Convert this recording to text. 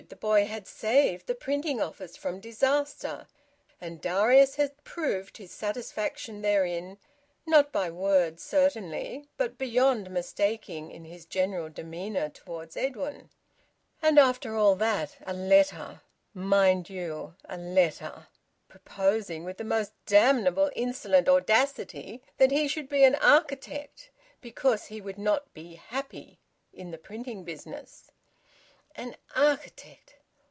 The boy had saved the printing office from disaster. And Darius had proved his satisfaction therein, not by words certainly, but beyond mistaking in his general demeanour towards Edwin. And after all that, a letter mind you, a letter! proposing with the most damnable insolent audacity that he should be an architect, because he would not be `happy' in the printing business! ... An architect!